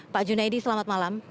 pak junaidi selamat malam